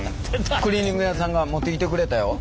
クリーニング屋さんが持ってきてくれたよ。